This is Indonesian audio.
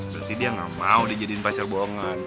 berarti dia gak mau dijadiin pacar bohongan